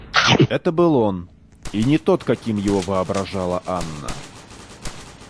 Это был он, и не тот, каким его воображала Анна.